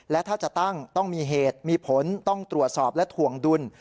และถ้าจะตั้งต้องมีเหตุมีผลต้องตรวจสอบและถวงดุล